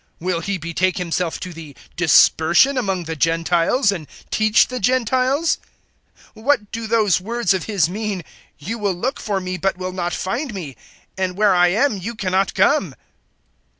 Will he betake himself to the Dispersion among the Gentiles, and teach the Gentiles? 007:036 What do those words of his mean, `You will look for me, but will not find me, and where I am you cannot come'?"